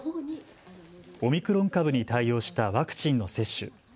オミクロン株に対応したワクチンの接種。